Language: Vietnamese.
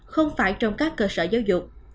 không phải trong các cơ sở giáo dục